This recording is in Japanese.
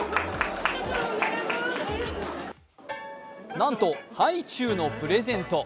なんと、ハイチュウのプレゼント。